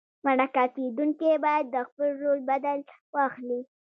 مرکه کېدونکی باید د خپل رول بدل واخلي.